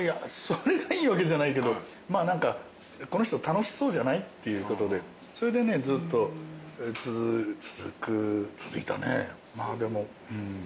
それがいいわけじゃないけどこの人楽しそうじゃない？っていうことでそれでねずっと続く続いたね。